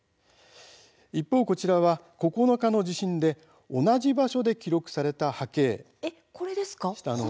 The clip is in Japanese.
一方、こちらは９日の地震で同じ場所で記録された波形。